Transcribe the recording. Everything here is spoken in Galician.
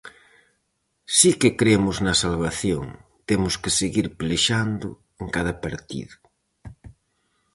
Si que cremos na salvación, temos que seguir pelexando en cada partido.